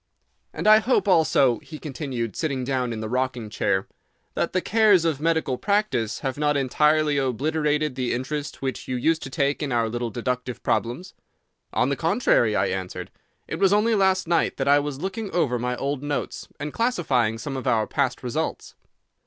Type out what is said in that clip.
"And I hope, also," he continued, sitting down in the rocking chair, "that the cares of medical practice have not entirely obliterated the interest which you used to take in our little deductive problems." "On the contrary," I answered, "it was only last night that I was looking over my old notes, and classifying some of our past results."